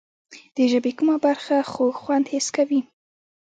د ژبې کومه برخه خوږ خوند حس کوي؟